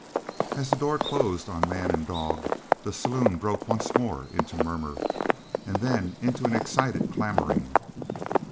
As the door closed on man and dog, the saloon broke once more into murmur, and then into an excited clamoring.